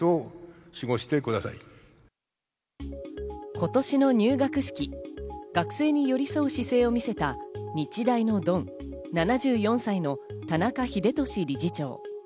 今年の入学式、学生に寄り添う姿勢を見せた日大のドン、７４歳の田中英壽理事長。